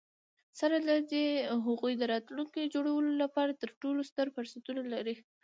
سره له دي، هغوی د راتلونکي د جوړولو لپاره تر ټولو ستر فرصتونه لري.